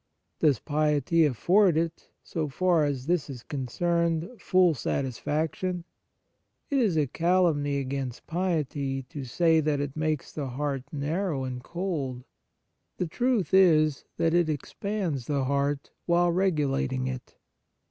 Does piety afford it, so far as this is concerned, full satisfac tion ? It is a calumny against piety to say that it makes the heart narrow The Fruits of Piety and cold. The truth is, that it ex pands the heart while regulating it.